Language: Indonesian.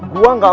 gue gak mau